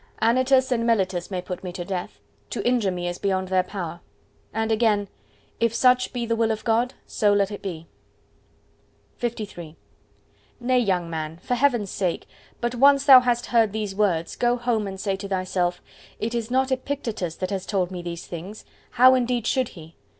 "Anytus and Melitus may put me to death: to injure me is beyond their power." And again:— "If such be the will of God, so let it be." LIII Nay, young man, for heaven's sake; but once thou hast heard these words, go home and say to thyself:—"It is not Epictetus that has told me these things: how indeed should he?